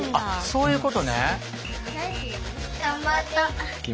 そういうことね。